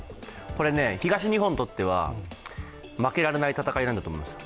東日本にとっては、負けられない戦いなんだと思います。